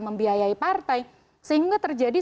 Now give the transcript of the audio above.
membiayai partai sehingga terjadi